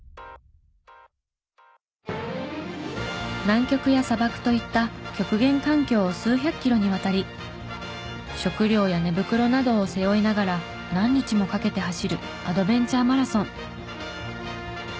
南極や砂漠といった極限環境を数百キロにわたり食料や寝袋などを背負いながら何日もかけて走るアドベンチャーマラソン。